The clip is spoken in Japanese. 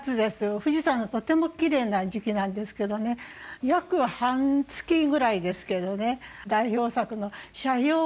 富士山がとてもきれいな時期なんですけどね約半月ぐらいですけどね代表作の「斜陽」をお書きになって頂きました。